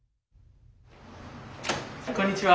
こんにちは。